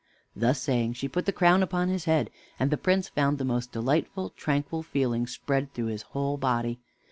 Thus saying, she put the crown upon his head, and the Prince found the most delightful tranquil feeling spread through his whole body.